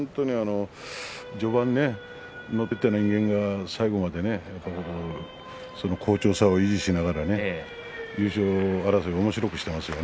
序盤ですね乗っていってる人間が最後までね好調さを維持しながら優勝争いをおもしろくしましたよね。